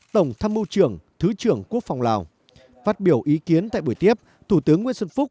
tổng tham mưu trưởng thứ trưởng quốc phòng lào phát biểu ý kiến tại buổi tiếp thủ tướng nguyễn xuân phúc